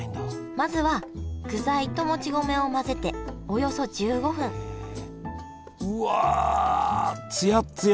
まずは具材ともち米を混ぜておよそ１５分うわつやっつや！